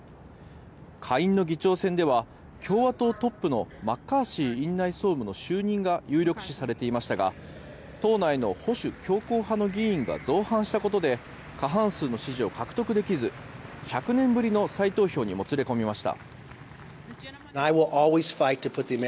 下院の議長選では共和党トップのマッカーシー院内総務の就任が有力視されていましたが党内の保守強硬派の議員が造反したことで過半数の支持を獲得できず１００年ぶりの再投票にもつれ込みました。